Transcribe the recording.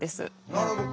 なるほど。